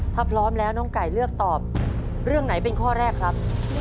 ถ้าพร้อมแล้วน้องไก่เลือกตอบเรื่องไหนเป็นข้อแรกครับ